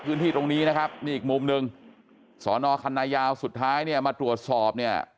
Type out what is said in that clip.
พื้นที่ตรงนี้นะครับนี่อีกมุมหนึ่งสอนอคันนายาวสุดท้ายเนี่ยมาตรวจสอบเนี่ย